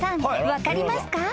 分かりますか？